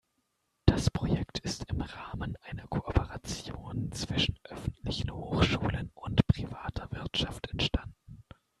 Das Projekt ist im Rahmen einer Kooperation zwischen öffentlichen Hochschulen und privater Wirtschaft entstanden.